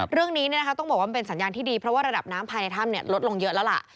เรื่องนี้ต้องบอกว่ามันเป็นสัญญาณที่ดีเพราะว่าระดับน้ำภายในถ้ำลดลงเยอะแล้วล่ะ